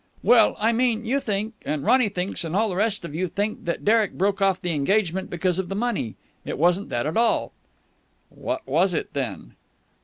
"Well, I mean you think and Ronny thinks and all the rest of you think that Derek broke off the engagement because of the money. It wasn't that at all." "What was it, then?"